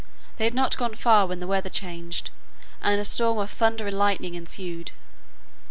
They had not gone far when the weather changed, and a storm of thunder and lightning ensued.